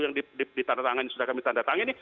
yang ditandatangani sudah kami tandatangani